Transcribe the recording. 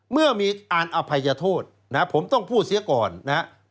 เมื่อมีอ่านอภัยโทษนะผมต้องพูดเสียก่อนนะครับ